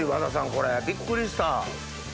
これびっくりした。